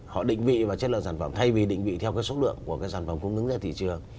họ định vị và chất lượng sản phẩm thay vì định vị theo cái số lượng của cái sản phẩm cung ứng ra thị trường